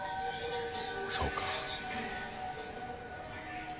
そうか。